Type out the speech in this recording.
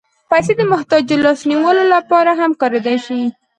پېسې د محتاجو لاس نیولو لپاره هم کارېدای شي.